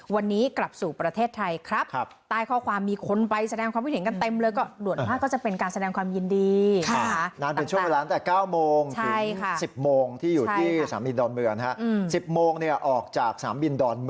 วันนี้กลับสู่ประเทศไทยครับ